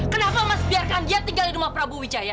kenapa mas biarkan dia tinggal di rumah prabowo wijaya